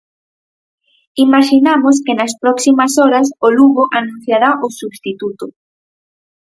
Imaxinamos que nas próximas horas o Lugo anunciará o substituto.